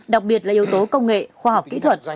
đặc biệt là yếu tố công nghệ khoa học kỹ thuật